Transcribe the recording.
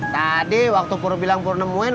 tadi waktu pur bilang pur nemuin